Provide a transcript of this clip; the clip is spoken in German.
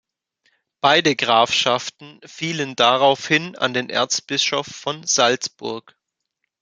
Beide Grafschaften fielen daraufhin an den Erzbischof von Salzburg.